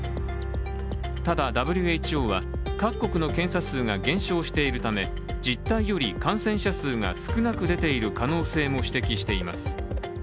ただ、ＷＨＯは各国の検査数が減少しているため実態より、感染者数が少なく出ている可能性も指摘しています。